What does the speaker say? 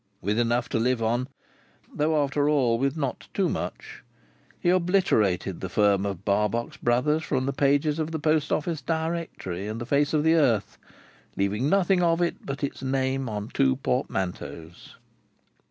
With enough to live on (though after all with not too much), he obliterated the firm of Barbox Brothers from the pages of the Post office Directory and the face of the earth, leaving nothing of it but its name on two portmanteaus.